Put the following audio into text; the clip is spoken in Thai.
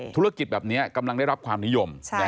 ธุรกิจแบบนี้กำลังได้รับความนิยม